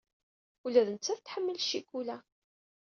Ula d nettat tḥemmel ccikula.